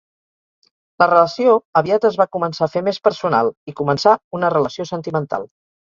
La relació aviat es va començar a fer més personal i començà una relació sentimental.